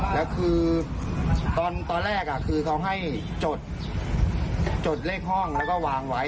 แล้วคือตอนแรกคือเขาให้จดเลขห้องแล้วก็วางไว้